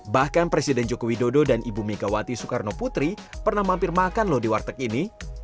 bahkan presiden joko widodo dan ibu megawati soekarno putri pernah mampir makan loh di warteg ini